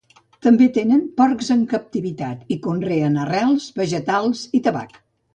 També tenen porcs en captivitat i conreen arrels, vegetals i tabac.